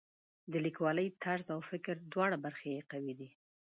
د لیکوالۍ طرز او فکري دواړه برخې یې قوي دي.